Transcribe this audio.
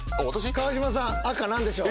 川島さん赤何でしょう？